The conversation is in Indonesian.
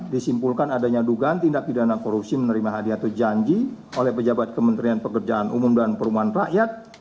disimpulkan adanya dugaan tindak pidana korupsi menerima hadiah atau janji oleh pejabat kementerian pekerjaan umum dan perumahan rakyat